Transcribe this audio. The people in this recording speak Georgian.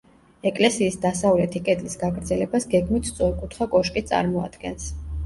ეკლესიის დასავლეთი კედლის გაგრძელებას გეგმით სწორკუთხა კოშკი წარმოადგენს.